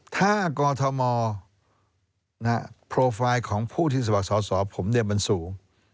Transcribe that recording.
ถ้ากฎธมอล์โปรไฟล์ของผู้ที่สำหรับสอบผมเนี่ยมันสูง